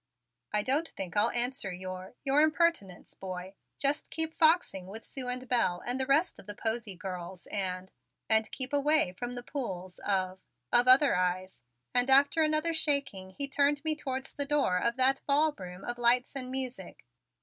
"I don't think I'll answer your your impertinence, boy. Just keep foxing with Sue and Belle and the rest of the posy girls and and keep away from the pools of of other eyes." And after another shaking he turned me towards the door of that ballroom of lights and music.